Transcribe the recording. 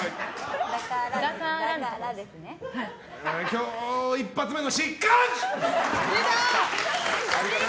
今日、一発目の失格！